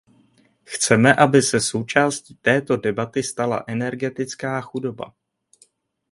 Chceme, aby se součástí této debaty stala energetická chudoba.